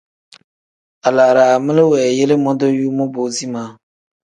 Alaraami li weeyele modoyuu mobo zimaa.